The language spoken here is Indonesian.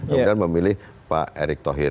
kemudian memilih pak erick thohir